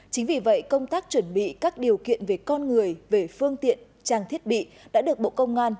chính vì vậy công tác chuẩn bị các điều kiện về con người về phương tiện trang thiết bị đã được bộ công an